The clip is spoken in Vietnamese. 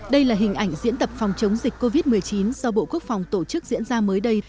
đây là hình ảnh diễn tập phòng chống dịch covid một mươi chín do bộ quốc phòng tổ chức diễn ra mới đây